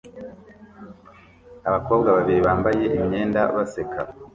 Abakobwa babiri bambaye imyenda baseka